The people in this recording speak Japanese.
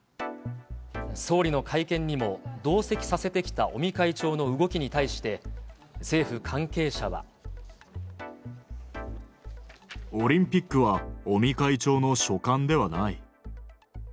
総理の会見にも同席させてきた尾身会長の動きに対して、オリンピックは、尾身会長の所管ではない。